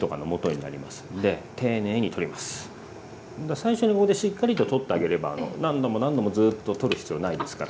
最初にここでしっかりと取ってあげれば何度も何度もずっと取る必要ないですから。